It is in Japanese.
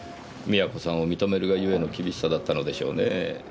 美和子さんを認めるがゆえの厳しさだったのでしょうねぇ。